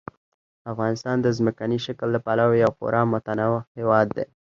افغانستان د ځمکني شکل له پلوه یو خورا متنوع هېواد دی.